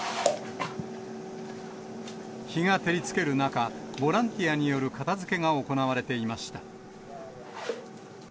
日が照りつける中、ボランティアによる片づけが行われていました。